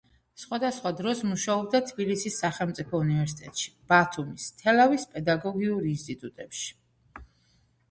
სხვადასხვა დროს მუშაობდა თბილისის სახელმწიფო უნივერსიტეტში, ბათუმის, თელავის პედაგოგიურ ინსტიტუტებში.